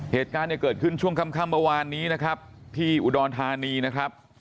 เหตุการณ์เนี่ยเกิดขึ้นช่วงค่ำเมื่อวานนี้นะครับที่อุดรธานีนะครับ